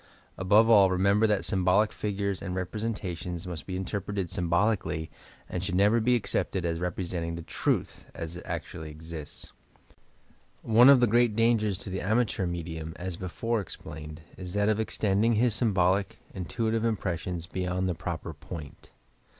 Above all, remember that symbolic figures and represen tations must be interpreted symbolically and should never be accepted as representing the "truth," as it actually exists. One of the great dangers to the ama teur medium, as before explained, is that of extending bis symbolic, intuitive impressions beyond the proper point.